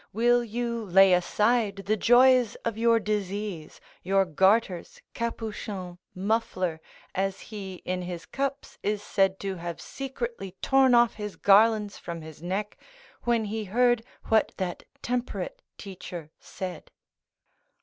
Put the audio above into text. will you lay aside the joys of your disease, your garters, capuchin, muffler, as he in his cups is said to have secretly torn off his garlands from his neck when he heard what that temperate teacher said?"